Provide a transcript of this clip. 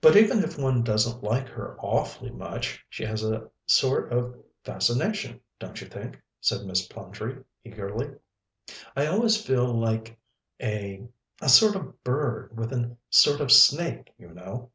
"But even if one doesn't like her awfully much, she has a sort of fascination, don't you think?" said Miss Plumtree eagerly. "I always feel like a a sort of bird with a sort of snake, you know."